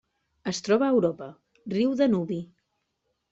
Es troba a Europa: riu Danubi.